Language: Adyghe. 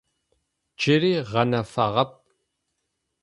Джыри гъэнэфагъэп.